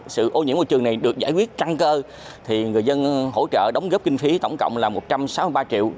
sự ô nhiễm môi trường này được giải quyết căng cơ thì người dân hỗ trợ đóng góp kinh phí tổng cộng là một trăm sáu mươi ba triệu